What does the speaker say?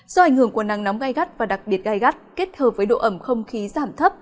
do ảnh hưởng của nắng nóng gai gắt và đặc biệt gai gắt kết hợp với độ ẩm không khí giảm thấp